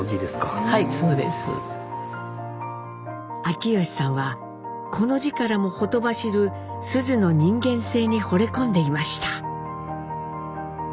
秋吉さんはこの字からもほとばしる須壽の人間性にほれ込んでいました。